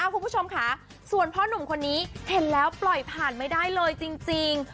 คุณผู้ชมค่ะส่วนพ่อนุ่มคนนี้เห็นแล้วปล่อยผ่านไม่ได้เลยจริง